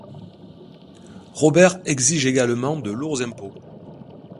Robert exige également de lourds impôts.